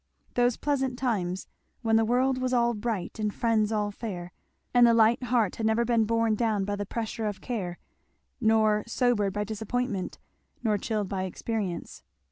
Those pleasant times, when the world was all bright and friends all fair, and the light heart had never been borne down by the pressure of care, nor sobered by disappointment, nor chilled by experience.